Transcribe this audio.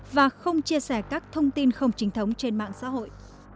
và không chia sẻ các thông tin không chính thống trên mạng xã hội